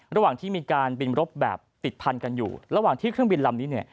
ระหว่างที่มีการบินรบแบบติดพันกันอยู่ระหว่างที่เครื่องบินลำนี้เนี่ย